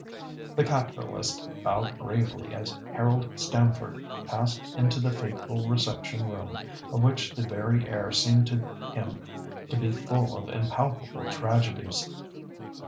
The capitalist bowed gravely as Harold Stamford passed into the fateful reception room, of which the very air seemed to him to be full of impalpable tragedies.